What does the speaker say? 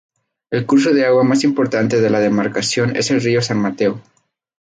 El curso de agua más importante de la demarcación es el río San Mateo.